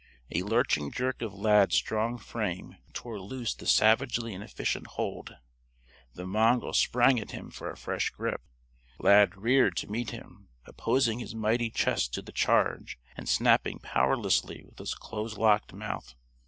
A lurching jerk of Lad's strong frame tore loose the savagely inefficient hold. The mongrel sprang at him for a fresh grip. Lad reared to meet him, opposing his mighty chest to the charge and snapping powerlessly with his close locked mouth.